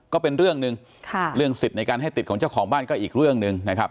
ก็เป็นเรื่องหนึ่งค่ะเรื่องสิทธิ์ในการให้ติดของเจ้าของบ้านก็อีกเรื่องหนึ่งนะครับ